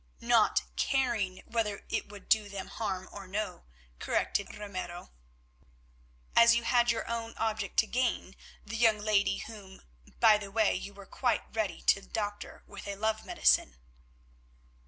"Not caring whether it would do them harm or no," corrected Ramiro, "as you had your own object to gain—the young lady whom, by the way, you were quite ready to doctor with a love medicine."